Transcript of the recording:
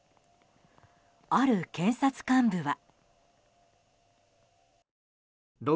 ある検察幹部は。